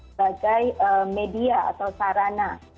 sebagai media atau sarana